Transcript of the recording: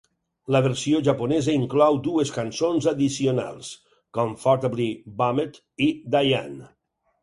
La versió japonesa inclou dues cançons addicionals, "Comfortably Bummed" i "Diane".